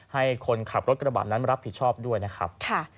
ให้คนขับรถกระบะนั้นรับผิดชอบด้วยนะครับ